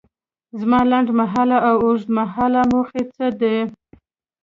زما لنډ مهاله او اوږد مهاله موخې څه دي؟